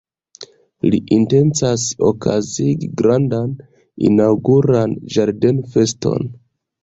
Li intencas okazigi grandan inaŭguran ĝardenfeston.